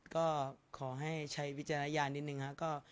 ก็ขอให้ใช้วิจารณญาณนิดนึงครับ